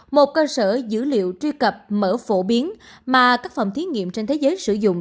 một cơ sở dữ liệu truy cập mở phổ biến mà các phòng thí nghiệm trên thế giới sử dụng